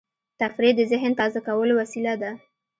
تفریح د ذهن تازه کولو وسیله ده.